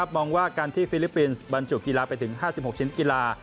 มองว่าการที่ฟิลิปปินส์บรรจุกีฬาไปถึง๕๖ชิ้นกีฬา